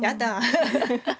ハハハッ。